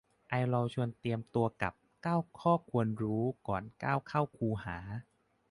ไอลอว์ชวนเตรียมตัวกับ เก้าข้อควรรู้ ก่อนก้าวเข้าคูหา